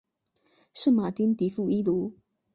圣马丁迪富伊卢。